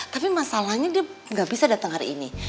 tapi masalahnya dia gak bisa dateng hari ini